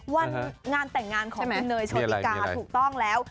วันงานแต่งงานของคุณเนยโชติกาถูกต้องแล้ว